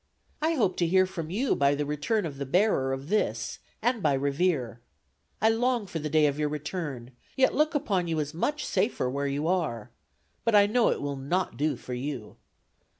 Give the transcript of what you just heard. I hope to hear from you by the return of the bearer of this, and by Revere. I long for the day of your return, yet look upon you as much safer where you are but I know it will not do for you.